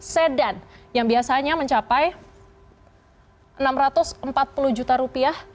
sedan yang biasanya mencapai enam ratus empat puluh juta rupiah